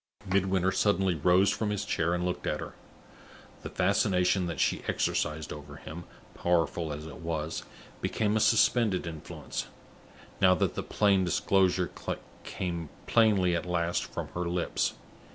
Midwinter suddenly rose from his chair and looked at her. The fascination that she exercised over him, powerful as it was, became a suspended influence, now that the plain disclosure came plainly at last from her lips.